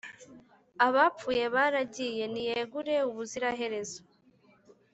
abapfuye baragiye, niyegure ubuziraherezo